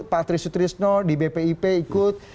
pak trisutrisno di bpip ikut